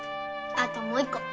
あともう１個。